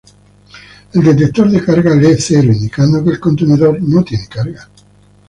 El detector de carga lee cero, indicando que el contenedor no tiene carga.